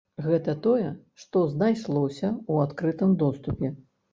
Гэта тое, што знайшлося ў адкрытым доступе.